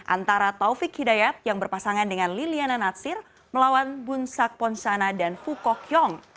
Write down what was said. antara taufik hidayat yang berpasangan dengan liliana natsir melawan bunsak ponsana dan fukokyong